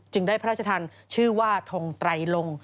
ได้พระราชทันชื่อว่าทงไตรลง